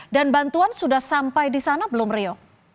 dan bantuan sudah sampai di sana belum rio